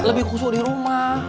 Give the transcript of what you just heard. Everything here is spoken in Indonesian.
lebih khusus di rumah